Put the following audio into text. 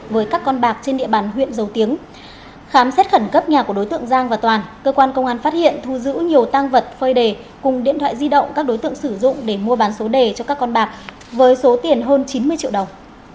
với các con bạc trên địa bàn huyện dầu tiếng khám xét khẩn cấp nhà của đối tượng giang và toàn cơ quan công an phát hiện thu giữ nhiều tăng vật phơi đề cùng điện thoại di động các đối tượng sử dụng để mua bán số đề cho các con bạc với số tiền hơn chín mươi triệu đồng